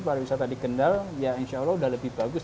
pariwisata di kendal ya insya allah sudah lebih bagus